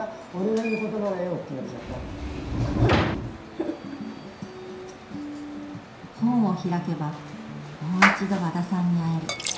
っつったら本を開けばもう一度和田さんに会える。